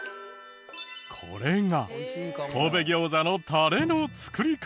これが神戸餃子のタレの作り方。